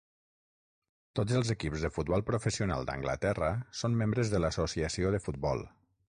Tots els equips de futbol professional d"Anglaterra són membres de l"Associació de Futbol.